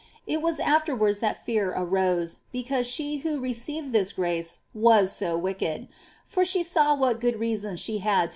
It was afterwards that fear arose, because she who received this grace was so wicked ; for she saw what good reasons she had to be 1 See Life, chs.